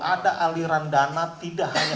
ada aliran dana tidak hanya